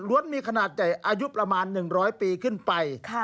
มีขนาดใหญ่อายุประมาณ๑๐๐ปีขึ้นไป